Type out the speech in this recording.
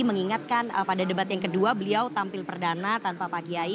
mengingatkan pada debat yang kedua beliau tampil perdana tanpa pak kiai